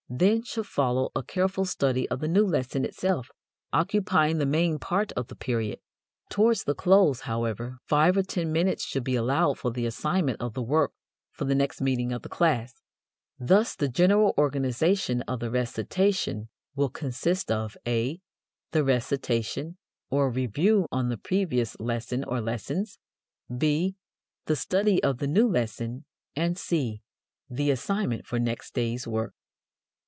Then should follow a careful study of the new lesson itself, occupying the main part of the period. Towards the close, however, five or ten minutes should be allowed for the assignment of the work for the next meeting of the class. Thus the general organization of the recitation will consist of: (a) The recitation or review on the previous lesson or lessons; (b) the study of the new lesson; and (c) the assignment for next day's work.